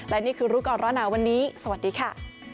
และนี่คือรู้ก่อนร้อนหนาวันนี้สวัสดีค่ะ